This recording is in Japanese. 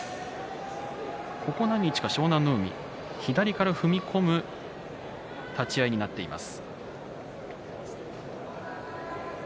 ここ何日か湘南乃海左から踏み込む立ち合いになっています。